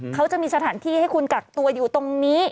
เขาจะมีสถานที่ให้คุณกักตัวอยู่ตรงนี้